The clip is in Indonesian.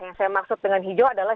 yang saya maksud dengan hijau adalah